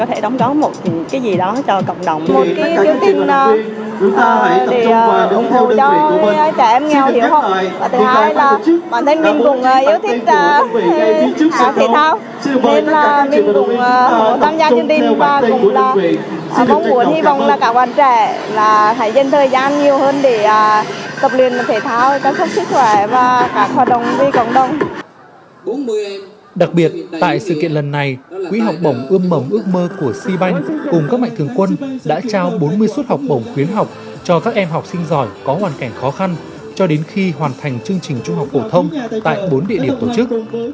trong sự kiện lần này quỹ học bổng ươm mồng ước mơ của c bank cùng các mạnh thường quân đã trao bốn mươi suất học bổng khuyến học cho các em học sinh giỏi có hoàn cảnh khó khăn cho đến khi hoàn thành chương trình trung học cổ thông tại bốn địa điểm tổ chức